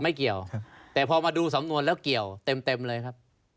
ไม่เกี่ยวแต่พอมาดูสำนวนแล้วเกี่ยวเต็มเลยครับ